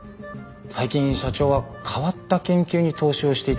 最近社長は変わった研究に投資をしていたようです。